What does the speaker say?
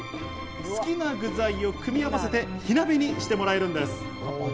好きな具材を組み合わせて火鍋にしてもらえるんです。